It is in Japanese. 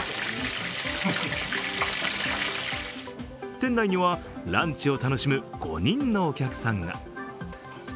店内にはランチを楽しむ５人のお客さんが。